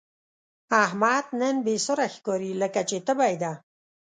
احمد نن بې سوره ښکاري، لکه چې تبه یې ده.